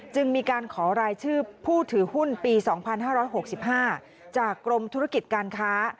จึงมีการขอรายชื่อผู้ถือหุ้นปี๒๕๖๕จากกรมธุรกิจการค้า